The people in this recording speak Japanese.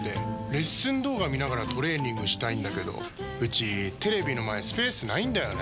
レッスン動画見ながらトレーニングしたいんだけどうちテレビの前スペースないんだよねー。